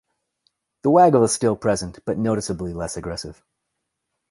The waggle is still present, but noticeably less aggressive.